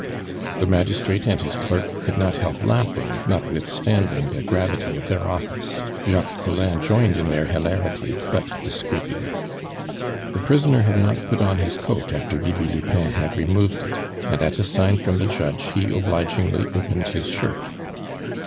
The magistrate and his clerk could not help laughing, notwithstanding the gravity of their office; Jacques Collin joined in their hilarity, but discreetly. The prisoner had not put on his coat after Bibi Lupin had removed it, and at a sign from the judge he obligingly opened his shirt.